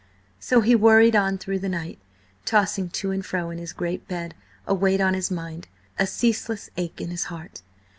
So he worried on through the night, tossing to and fro in his great bed, a weight on his mind, a ceaseless ache in his heart.